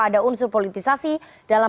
ada unsur politisasi dalam